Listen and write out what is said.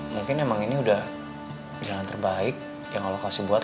mungkin emang ini udah jalan terbaik yang allah kasih buat